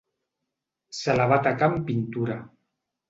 Se la va tacar amb pintura.